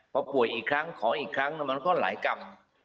พอป่วยอีกครั้งขออีกครั้งมันก็หลายกรรม